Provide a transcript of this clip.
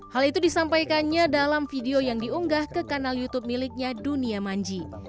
hal itu disampaikannya dalam video yang diunggah ke kanal youtube miliknya dunia manji